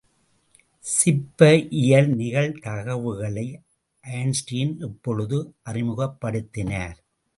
சிப்பஇயல் நிகழ்தகவுகளை ஐன்ஸ்டீன் எப்பொழுது அறிமுகப்படுத்தினார்?